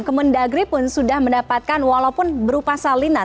kemendagri pun sudah mendapatkan walaupun berupa salinan